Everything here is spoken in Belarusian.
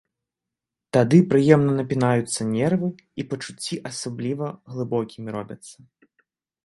Тады прыемна напінаюцца нервы і пачуцці асабліва глыбокімі робяцца.